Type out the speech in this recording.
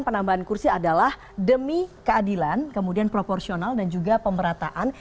penambahan kursi adalah demi keadilan kemudian proporsional dan juga pemerataan